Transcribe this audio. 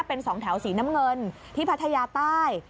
เป็นสองแถวสีน้ำเงินที่พัทยาใต้